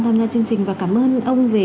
tham gia chương trình và cảm ơn ông về